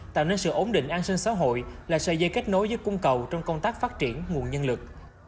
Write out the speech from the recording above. tạo nên sự ổn định an sinh xã hội là sợi dây kết nối giữa cung cầu trong công tác phát triển nguồn nhân lực